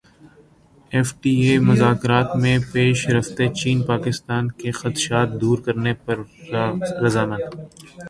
F T A مذاکرات میں پیش رفت چین پاکستان کے خدشات دور کرنے پر رضامند